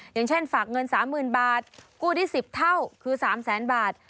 อย่างเช่นฝากเงิน๓๐๐๐บาทกู้ได้๑๐เท่าคือ๓แสนบาท